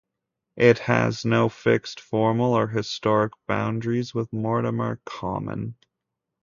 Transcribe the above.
It has no fixed formal or historic boundaries with Mortimer Common.